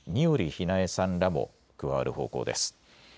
日南恵さんらも加わる方向です。